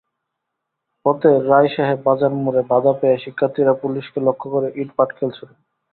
পথে রায়সাহেব বাজার মোড়ে বাধা পেয়ে শিক্ষার্থীরা পুলিশকে লক্ষ্য করে ইট-পাটকেল ছোড়েন।